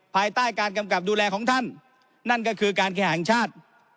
ภายใต้การกำกับดูแลของท่านนั่นก็คือการแข่งชาติ